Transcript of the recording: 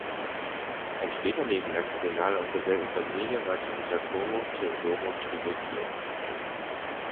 Ein später lebender Kardinal aus derselben Familie war Giangiacomo Teodoro Trivulzio.